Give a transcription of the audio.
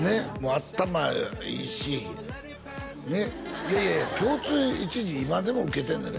頭いいしいやいやいや共通一次今でも受けてんねんで？